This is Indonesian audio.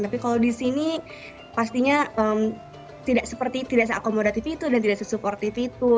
tapi kalau di sini pastinya tidak seperti tidak se akomodatif itu dan tidak se supportif itu